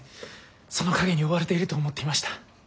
その影に追われていると思っていました。